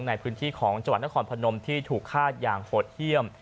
ในพื้นที่ของจังหวัดนครพนมที่ถูกฆาตอย่างโหดเยี่ยม